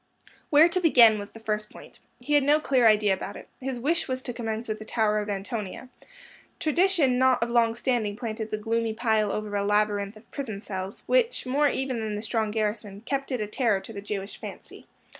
Where to begin was the first point. He had no clear idea about it. His wish was to commence with the Tower of Antonia. Tradition not of long standing planted the gloomy pile over a labyrinth of prison cells, which, more even than the strong garrison, kept it a terror to the Jewish fancy.